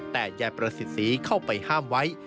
แต่ยายประสิทธิ์ศรีเข้าไปห้ามไว้